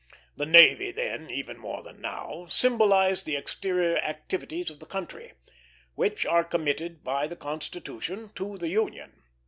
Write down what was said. The navy then, even more than now, symbolized the exterior activities of the country, which are committed by the Constitution to the Union.